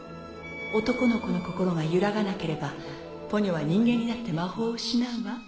男の子の心が揺らがなければポニョは人間になって魔法を失うわ。